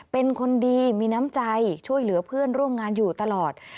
เป็นคนดีมีน้ำใจช่วยเหลือเพื่อนร่วมงานอยู่ตลอด